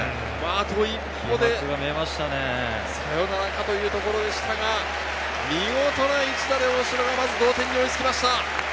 あと一歩でサヨナラかというところでしたが、見事な一打で、大城がまず同点に追いつきました。